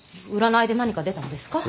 占いで何か出たのですか。